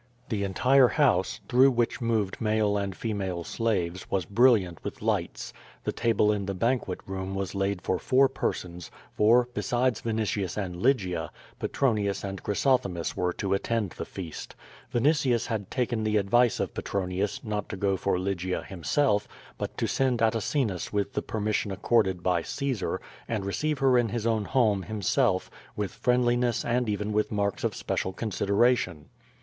The en tire house, through which moved male and female slaves, was brilliant with lights. The table in the banquet room was laid 0170 TADI8. SS for ionr persons, for, besides Vinitius and Lygia, Petronius and Chrysothemis were to attend the feast. Vinitius lia<l taken the advice of Petronius, not to go for Lygia himself, but to send Atacinus with the permission accorded by Caesar, and receive her in his own home, himself, with friendliness and even with marks of special consideration.